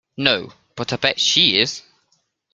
No, but I'll bet she is.